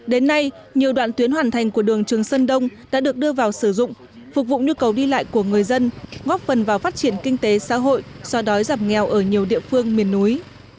đến nay nhiều đoạn tuyến hoàn thành của đường trường sơn đông đã được đưa vào sử dụng phục vụ nhu cầu đi lại của người dân góp phần vào phát triển kinh tế xã hội so đói giảm nghèo ở nhiều địa phương miền núi